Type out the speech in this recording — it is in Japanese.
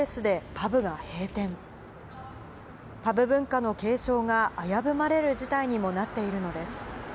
パブ文化の継承が危ぶまれる事態にもなっているのです。